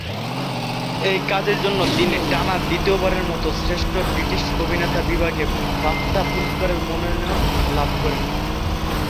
এই কাজের জন্য তিনি টানা দ্বিতীয়বারের মত শ্রেষ্ঠ ব্রিটিশ অভিনেতা বিভাগে বাফটা পুরস্কারের মনোনয়ন লাভ করেন।